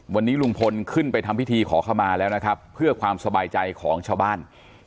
วันนี้ลุงพลขึ้นไปทำพิธีขอเข้ามาแล้วนะครับเพื่อความสบายใจของชาวบ้าน